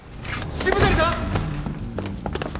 渋谷さん！